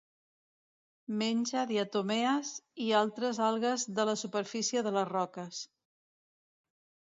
Menja diatomees i d'altres algues de la superfície de les roques.